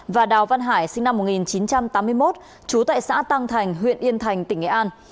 và đào văn hải sinh năm một nghìn chín trăm tám mươi một trú tại xã tăng thành huyện yên thành tỉnh nghệ an